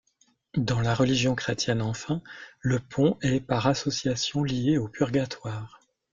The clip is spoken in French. Dans la religion chrétienne enfin, le pont est par association lié au Purgatoire.